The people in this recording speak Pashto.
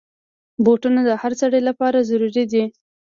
بوټونه د هر سړي لپاره ضرور دي.